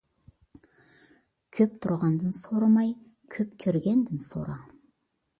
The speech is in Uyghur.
كۆپ تۇرغاندىن سورىماي، كۆپ كۆرگەندىن سورا.